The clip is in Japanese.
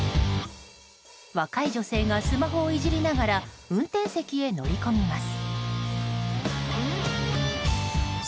若い女性がスマホをいじりながら運転席へ乗り込みます。